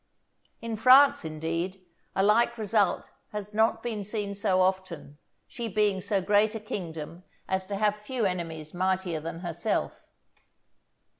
In France, indeed, a like result has not been seen so often, she being so great a kingdom as to have few enemies mightier than herself.